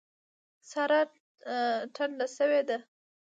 سارا ټنډه شوې ده.